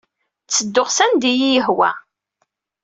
Ttedduɣ sanda ay iyi-yehwa.